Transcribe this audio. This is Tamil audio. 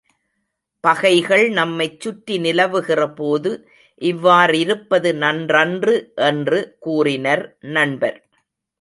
பகைகள் நம்மைச் சுற்றி நிலவுகிறபோது இவ்வாறிருப்பது நன்றன்று என்று கூறினர் நண்பர்.